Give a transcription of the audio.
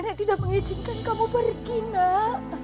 nenek tidak mengizinkan kamu pergi nak